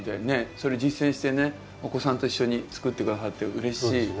ねっそれ実践してねお子さんと一緒に作って下さってうれしい。